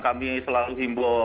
kami selalu imbu